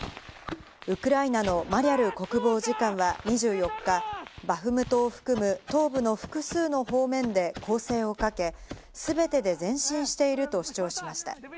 ウクライナのマリャル国防次官は２４日、バフムトを含む、東部の複数の方面で攻勢をかけ、全てで前進していると主張しました。